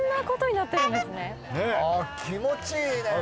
あっ気持ちいいね。